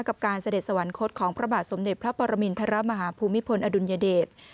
กับการเสด็จสวรรคตของพระบาทสมเด็จพระปรมินทรมาฮภูมิพลอดุลยเดช